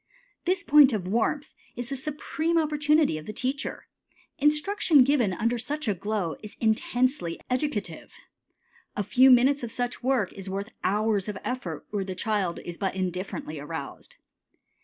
This point of warmth is the supreme opportunity of the teacher. Instruction given under such a glow is intensely educative. A few minutes of such work is worth hours of effort where the child is but indifferently aroused.